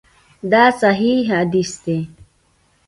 دا صحیح حدیث دی.